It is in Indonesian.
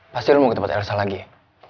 pasti lu mau ke tempat elsa lagi ya